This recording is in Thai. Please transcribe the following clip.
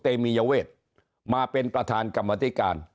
เตมียเวทมาเป็นประธานกรรมธิการ